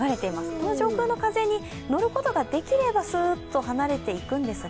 この上空の風に乗ることができればスーッと離れていくんですが